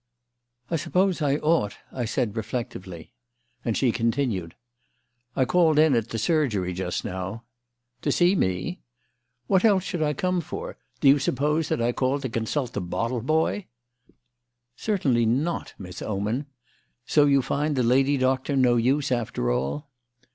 "I suppose I ought," I said reflectively. And she continued: "I called in at the surgery just now." "To see me?" "What else should I come for? Do you suppose that I called to consult the bottle boy?" "Certainly not, Miss Oman. So you find the lady doctor no use, after all?"